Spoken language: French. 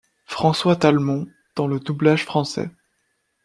François Talmont dans le doublage français.